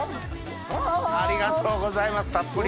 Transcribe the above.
ありがとうございますたっぷり。